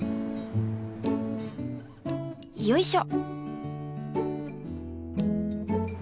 よいしょ！